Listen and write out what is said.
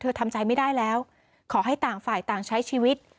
ทำใจไม่ได้แล้วขอให้ต่างฝ่ายต่างใช้ชีวิต